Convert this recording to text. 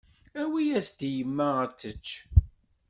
Awi-yas-d i yemma ad tečč.